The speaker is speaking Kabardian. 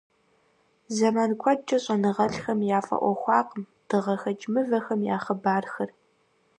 Зэман куэдкӀэ щӀэныгъэлӀхэм яфӀэӀуэхуакъым дыгъэхэкӀ мывэхэм я хъыбархэр.